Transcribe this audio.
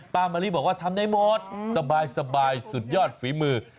มะลิบอกว่าทำได้หมดสบายสุดยอดฝีมือ